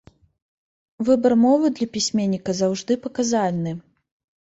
Выбар мовы для пісьменніка заўжды паказальны.